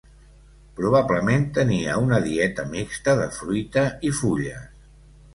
Probablement tenia una dieta mixta de fruita i fulles.